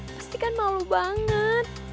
pasti kan malu banget